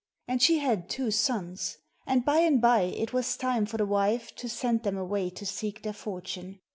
And she had two sons ; and by and by it was time for the wife to send them away to seek their fortune.